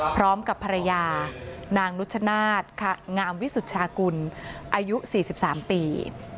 พร้อมกับภรรยานางนุชชนาธิ์งามวิสุชากุลอายุ๔๓ปี